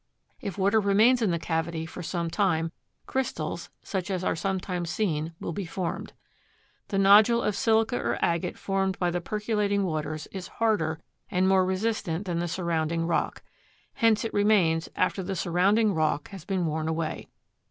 If water remains in the cavity for some time crystals, such as are sometimes seen, will be formed. The nodule of silica or agate formed by the percolating waters is harder and more resistant than the surrounding rock. Hence it remains after the surrounding rock has been worn away.